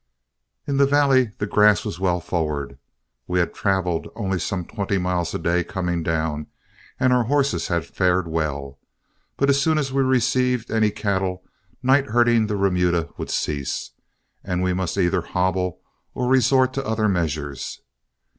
In the valley the grass was well forward. We had traveled only some twenty miles a day coming down, and our horses had fared well. But as soon as we received any cattle, night herding the remuda would cease, and we must either hobble or resort to other measures.